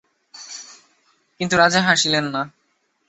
কিন্তু রাজা হাসিলেন না।